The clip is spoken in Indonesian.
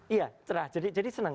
iya cerah jadi senang